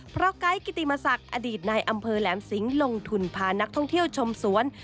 เพราะไกด์กิติมศักดิ์อดีตนายอำเภอแหลมสิงห์ลงทุนพานักท่องเที่ยวชมสวน